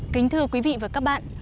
kính thưa quý vị và các bạn